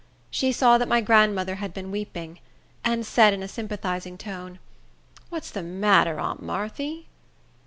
She saw that my grandmother had been weeping, and she said, in a sympathizing tone, "What's the matter, aunt Marthy?"